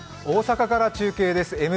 大阪から中継です。